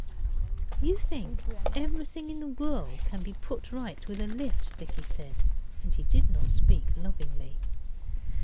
'You think everything in the world can be put right with a lift,' Dicky said, and he did not speak lovingly.